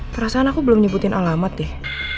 perasaan aku belum nyebutin alamat deh